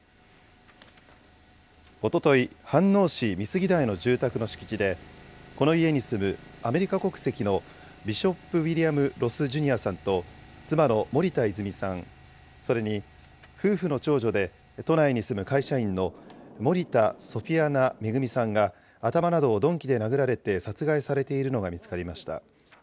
おととい、飯能市美杉台の住宅の敷地で、この家に住むアメリカ国籍のビショップ・ウィリアム・ロス・ジュニアさんと、妻の森田泉さん、それに夫婦の長女で都内に住む会社員の森田ソフィアナ恵さんが、頭などを鈍器で殴られて殺害されているのが見つかりました。